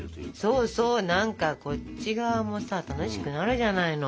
そうそう何かこっち側もさ楽しくなるじゃないの。